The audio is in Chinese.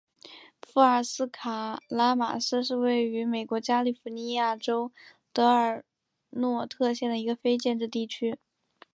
福尔斯卡拉马斯是位于美国加利福尼亚州德尔诺特县的一个非建制地区。